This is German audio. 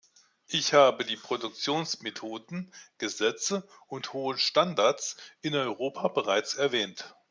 Ich habe die Produktionsmethoden, Gesetze und hohen Standards in Europa bereits erwähnt.